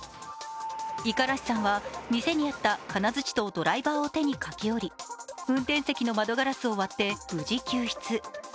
五十嵐さんは店にあった金づちとドライバーを手に駆け寄り運転席の窓ガラスを割って無事救出。